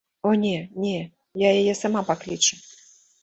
О не, не, я яе сама паклічу.